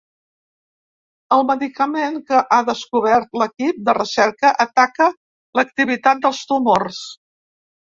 El medicament que ha descobert l’equip de recerca ataca l’activitat dels tumors.